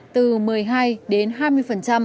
từ một mươi hai đến hai mươi